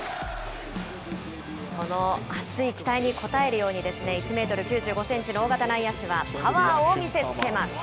その熱い期待に応えるようにですね、１メートル９５センチの大型内野手はパワーを見せつけます。